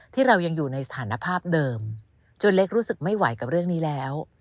ที่เรายังอยู่ในสถานภาพเดิมจนเล็กรู้สึกไม่ไหวกับเรื่องนี้แล้ว